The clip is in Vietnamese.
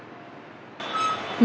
ngoại truyền thông tin